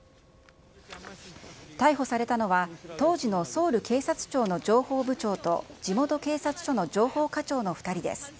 逮捕されたのは、当時のソウル警察庁の情報部長と、地元警察署の情報課長の２人です。